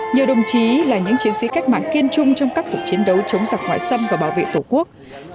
nhiều đồng chí là những chiến sĩ cách mạng kiên trung trong các cuộc chiến đấu chống dọc ngoại xâm và bảo vệ tổ quốc